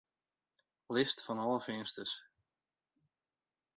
List fan alle finsters.